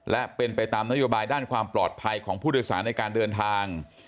และเป็นไปตามนโยบายด้านความปลอดภัยของผู้โดยสารในการเดินทาง